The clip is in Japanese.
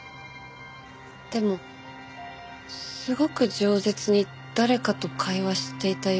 でもすごく饒舌に誰かと会話していたような。